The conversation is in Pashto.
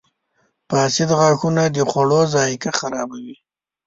• فاسد غاښونه د خوړو ذایقه خرابوي.